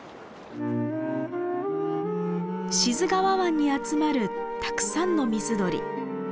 志津川湾に集まるたくさんの水鳥。